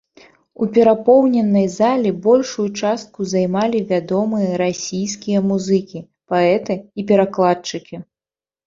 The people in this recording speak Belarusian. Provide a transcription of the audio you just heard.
У перапоўненай зале большую частку займалі вядомыя расійскія музыкі, паэты і перакладчыкі.